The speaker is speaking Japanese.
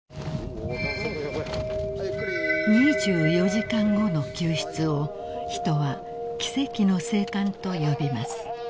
［２４時間後の救出を人は奇跡の生還と呼びます］